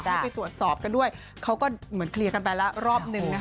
ให้ไปตรวจสอบกันด้วยเขาก็เหมือนเคลียร์กันไปแล้วรอบหนึ่งนะคะ